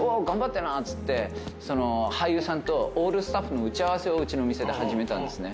っつって俳優さんとオールスタッフの打ち合わせをうちの店で始めたんですね。